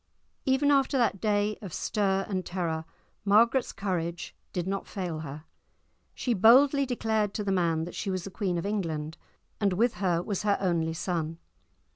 Even after that day of stir and terror Margaret's courage did not fail her. She boldly declared to the man that she was the Queen of England, and with her was her only son.